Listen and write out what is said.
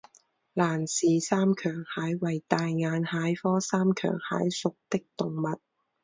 兰氏三强蟹为大眼蟹科三强蟹属的动物。